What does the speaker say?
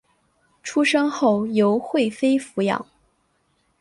出生后由惠妃抚养。